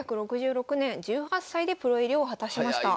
１９６６年１８歳でプロ入りを果たしました。